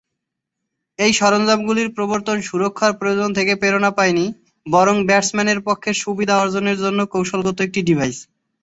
এই সরঞ্জামগুলির প্রবর্তন সুরক্ষার প্রয়োজন থেকে প্রেরণা পায়নি, বরং ব্যাটসম্যানের পক্ষে সুবিধা অর্জনের জন্য কৌশলগত একটি ডিভাইস।